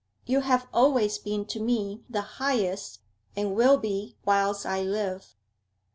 'You have always been to me the highest, and will be whilst I live.'